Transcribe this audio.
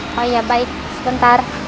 oh ya baik sebentar